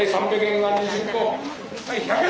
はい１００円！